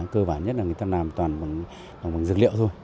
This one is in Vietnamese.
cơ bản nhất là người ta làm toàn bằng dược liệu thôi